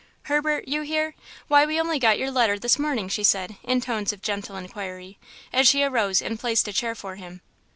"Herbert, you here? Why, we only got your letter this morning," she said, in tones of gentle inquiry, as she arose and placed a chair for him.